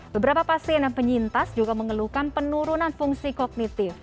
beberapa pasien dan penyintas juga mengeluhkan penurunan fungsi kognitif